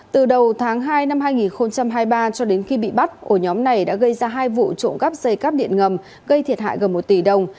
từ đầu tháng hai năm hai nghìn hai mươi ba cho đến khi bị bắt ổ nhóm này đã gây ra hai vụ trộm cắp dây cáp điện ngầm gây thiệt hại gần một tỷ đồng